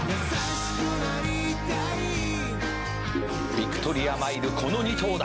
「ヴィクトリアマイルこの２頭だ」